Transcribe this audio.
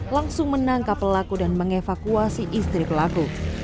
langsung menangkap pelaku dan mengevakuasi istri pelaku